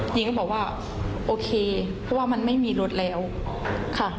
หญิงก็บอกว่าโอเคเพราะว่ามันไม่มีรถแล้วค่ะ